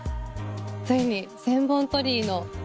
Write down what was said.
ついに千本鳥居の。